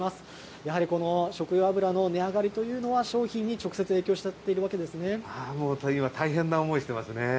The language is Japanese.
やはりこの食用油の値上がりというのは、商品に直接影響しちゃっもう大変な思いしてますね。